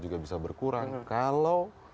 juga bisa berkurang kalau